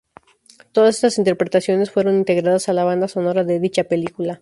Todas estas interpretaciones fueron integradas a la banda sonora de dicha película.